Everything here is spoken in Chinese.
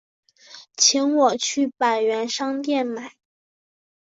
请我去百元商店买